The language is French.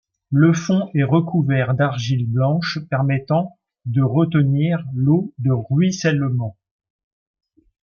Le fond est recouvert d'argile blanche permettant de retenir l'eau de ruissellement.